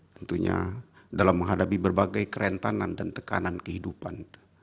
tentunya dalam menghadapi berbagai kerentanan dan tekanan kehidupan